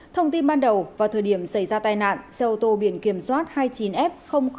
thông tin ban đầu vào thời điểm xảy ra tai nạn xe ô tô biển kiểm soát hai mươi chín f bảy trăm chín mươi một